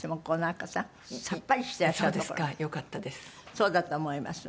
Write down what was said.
そうだと思います。